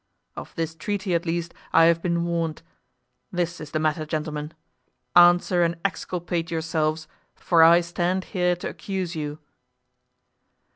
Of this treaty, at least, I have been warned. This is the matter, gentlemen; answer and exculpate yourselves, for I stand here to accuse you."